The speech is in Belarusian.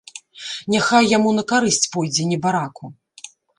Няхай яму на карысць пойдзе, небараку.